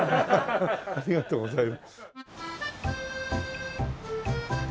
ありがとうございます。